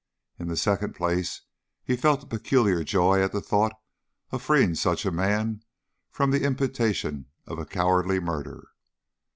In the second place he felt a peculiar joy at the thought of freeing such a man from the imputation of a cowardly murder.